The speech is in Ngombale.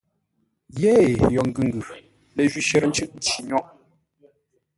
Yêee yo ngʉ ngʉ, ləjwi shərə ncʉ́ʼ nci nyôghʼ.